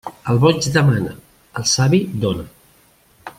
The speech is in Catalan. El boig demana, el savi dóna.